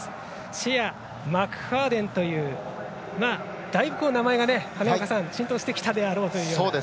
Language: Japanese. シェア、マクファーデンというだいぶ名前が浸透してきたであろうという。